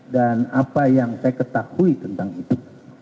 dan apa yang saya ketahui tentang itu